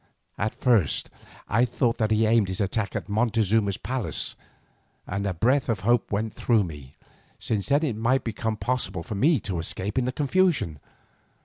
At first I thought that he aimed his attack at Montezuma's palace, and a breath of hope went through me, since then it might become possible for me to escape in the confusion.